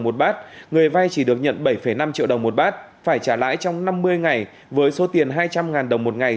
một bát người vay chỉ được nhận bảy năm triệu đồng một bát phải trả lãi trong năm mươi ngày với số tiền hai trăm linh đồng một ngày